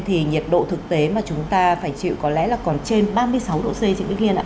thì nhiệt độ thực tế mà chúng ta phải chịu có lẽ là còn trên ba mươi sáu độ c trịnh bích liên ạ